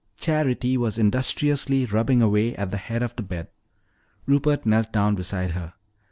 Charity was industriously rubbing away at the head of the bed. Rupert knelt down beside her.